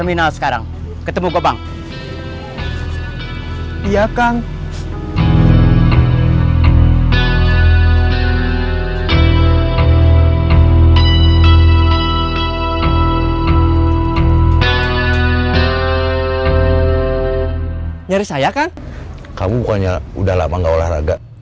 final sekarang ketemu gobang iya kang nyaris saya kan kamu bukannya udah lama nggak olahraga